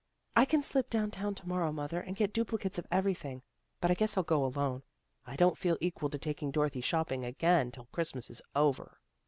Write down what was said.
" I can slip down town to morrow, mother, and get duplicates of everything. But I guess I'll go alone. I don't feel equal to taking Dorothy shopping again till Christmas is over."